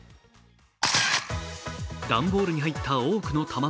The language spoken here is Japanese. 段ボールに入った多くの卵。